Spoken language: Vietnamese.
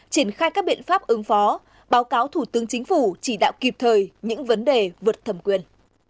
triển khai các biện pháp ứng phó báo cáo thủ tướng chính phủ chỉ đạo kịp thời những vấn đề vượt thẩm quyền